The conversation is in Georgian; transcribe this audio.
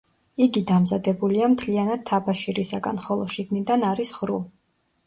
იგი დამზადებულია მთლიანად თაბაშირისაგან, ხოლო შიგნიდან არის ღრუ.